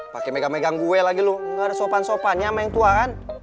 pakai megang megang gue lagi lu nggak ada sopan sopan